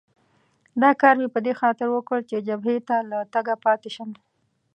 دا کار مې په دې خاطر وکړ چې جبهې ته له تګه پاتې شم.